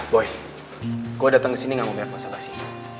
boy gue dateng ke sini gak mau mewak masa basi